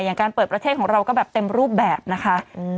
การเปิดประเทศของเราก็แบบเต็มรูปแบบนะคะ